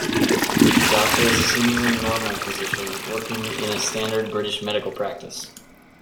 The doctor is a seemingly "normal" physician working in a standard British medical practice.